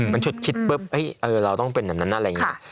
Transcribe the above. มันฉุดคิดปุ๊บเราต้องเป็นแบบนั้นอะไรอย่างนี้